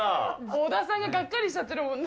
小田さんががっかりしちゃってるもん。